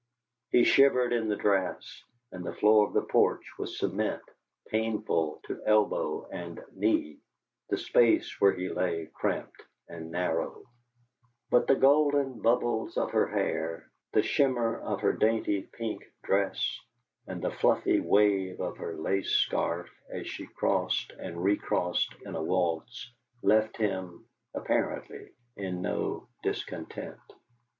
He shivered in the draughts; and the floor of the porch was cement, painful to elbow and knee, the space where he lay cramped and narrow; but the golden bubbles of her hair, the shimmer of her dainty pink dress, and the fluffy wave of her lace scarf as she crossed and recrossed in a waltz, left him, apparently, in no discontent.